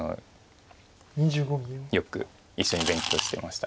よく一緒に勉強してました。